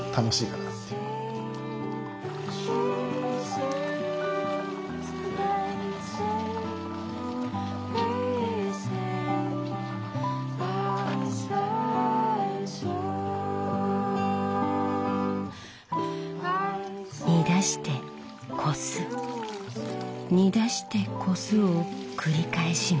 煮出してこす煮出してこすを繰り返します。